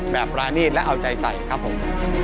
แบบร้านีดและเอาใจใสครับผม